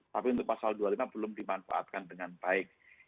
tapi untuk pasal dua puluh lima belum dimanfaatkan dengan baik